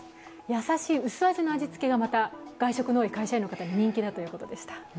優しい薄味の味付けが、外食の多い会社員の方に人気だということでした。